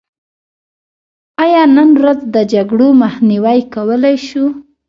آیا نن ورځ د جګړو مخنیوی کولی شو؟